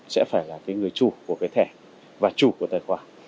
sẽ phải là người chủ của cái thẻ và chủ của tài khoản